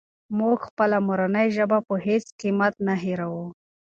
موږ خپله مورنۍ ژبه په هېڅ قیمت نه هېروو.